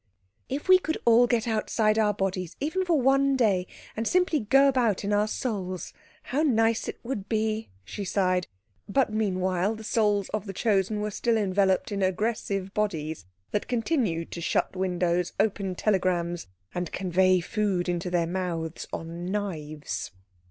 "If we could all get outside our bodies, even for one day, and simply go about in our souls, how nice it would be!" she sighed; but meanwhile the souls of the Chosen were still enveloped in aggressive bodies that continued to shut windows, open telegrams, and convey food into their mouths on knives.